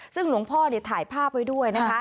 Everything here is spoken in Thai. ซึ่งหลวงพ่อถ่ายภาพไว้ด้วยนะคะ